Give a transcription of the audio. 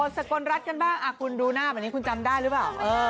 สกญรัตม์กันบ้างอ่ะคุณดูหน้าเหมือนนี้คุณจำได้รึเปล่า